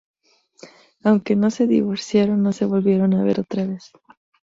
Aunque no se divorciaron, no se volvieron a ver otra vez.